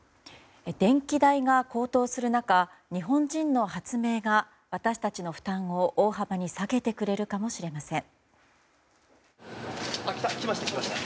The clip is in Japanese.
電気代が高騰する中日本人の発明が私たちの負担を大幅に下げてくれるかもしれません。